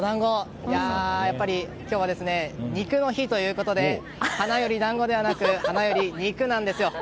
今日は肉の日ということで花より団子ではなく花より肉なんですよ。